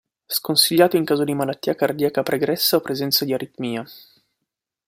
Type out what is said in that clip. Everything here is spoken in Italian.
Sconsigliato in caso di malattia cardiaca pregressa o presenza di aritmia.